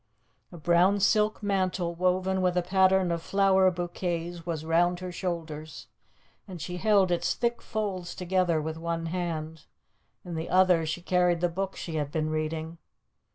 A brown silk mantle woven with a pattern of flower bouquets was round her shoulders, and she held its thick folds together with one hand; in the other she carried the book she had been reading.